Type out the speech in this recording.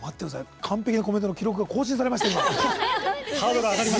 完璧なコメントの記録が更新されました、今。